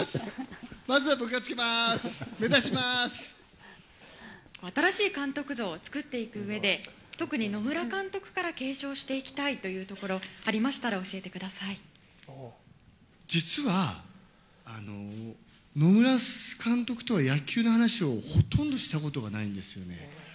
まずは僕がつけまー新しい監督像を作っていくうえで、特に野村監督から継承していきたいというところ、ありましたら教実は、野村監督とは野球の話をほとんどしたことがないんですよね。